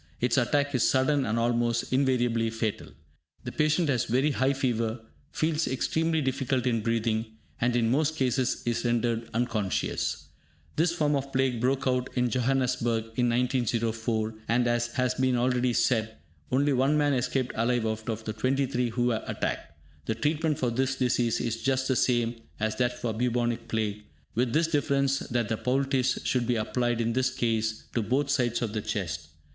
Its attack is sudden and almost invariably fatal. The patient has very high fever, feels extreme difficulty in breathing, and in most cases, is rendered unconscious. This form of plague broke out in Johannesburg in 1904, and as has been already said, only one man escaped alive out of the 23 who were attacked. The treatment for this disease is just the same as that for Bubonic Plague, with this difference that the poultice should be applied in this case to both sides of the chest.